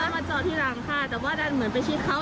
มาจอดที่หลังค่ะแต่ว่าดันเหมือนไปชิดเขา